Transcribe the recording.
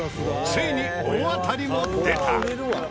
ついに大当たりも出た。